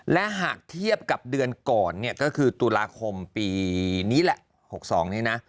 และหากเทียบกับเดือนก่อนก็คือตุลาคมปี๖๒นี้นะ